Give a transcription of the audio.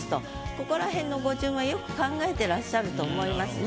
ここらへんの語順はよく考えてらっしゃると思いますね。